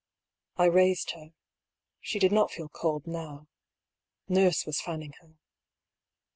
I raised her. She did not feel cold now. Nurse was fanning her.